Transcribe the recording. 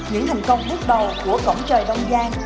những hành công bước đầu của cổng trò đông giang